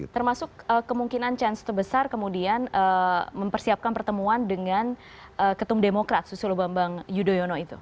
termasuk kemungkinan chance terbesar kemudian mempersiapkan pertemuan dengan ketum demokrat susilo bambang yudhoyono itu